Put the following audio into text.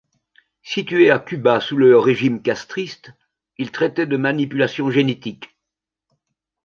Situé à Cuba sous le régime castriste, il traitait de manipulation génétique.